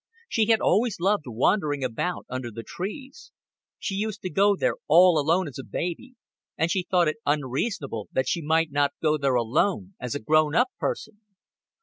She had always loved wandering about under the trees: she used to go there all alone as a baby, and she thought it unreasonable that she might not go there alone as a grown up person.